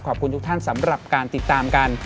ขอบคุณทุกท่านสำหรับการติดตามกัน